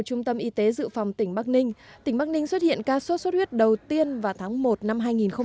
trung tâm y tế dự phòng tỉnh bắc ninh tỉnh bắc ninh xuất hiện ca sốt xuất huyết đầu tiên vào tháng một năm hai nghìn hai mươi